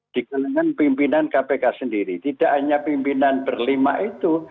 di kalangan pimpinan kpk sendiri tidak hanya pimpinan berlima itu